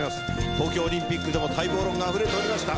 東京オリンピックでも待望論があふれておりました。